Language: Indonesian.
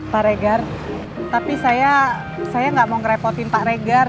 pak regar tapi saya nggak mau ngerepotin pak regar